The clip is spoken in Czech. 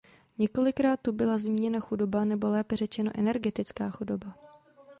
Několikrát tu byla zmíněna chudoba, nebo lépe řečeno energetická chudoba.